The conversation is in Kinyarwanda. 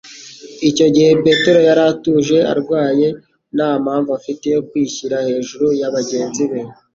Icyo gihe Petero yari atuje amwaye nta mpamvu afite yo kwishyira hejuru ya bagenzi be.